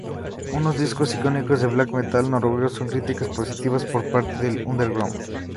Un disco icónico del black metal noruego, con críticas positivas por parte del underground.